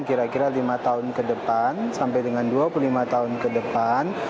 kira kira lima tahun ke depan sampai dengan dua puluh lima tahun ke depan